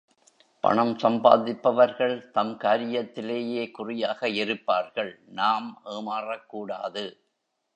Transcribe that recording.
பணம் சம்பாதிப்பவர்கள் தம் காரியத்திலேயே குறியாக இருப்பார்கள் நாம் ஏமாறக் கூடாது.